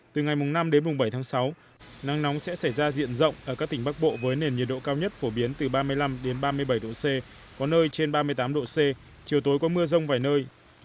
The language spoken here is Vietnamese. từ ngày năm đến bảy tháng sáu nắng nóng sẽ xảy ra diện rộng ở các tỉnh bắc bộ với nền nhiệt độ cao nhất phổ biến từ ba mươi năm ba mươi bảy độ c có nơi trên ba mươi tám độ c chiều tối có mưa rông vài nơi